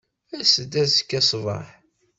As-d azekka ṣṣbeḥ.